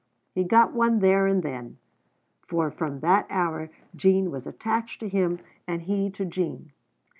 He got one there and then; for from that hour Jean was attached to him and he to Jean.